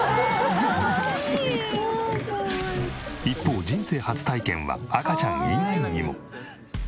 一方人生初体験は赤ちゃん以外にも。